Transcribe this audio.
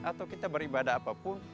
atau kita beribadah apapun